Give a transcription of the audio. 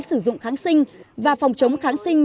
sử dụng kháng sinh và phòng chống kháng sinh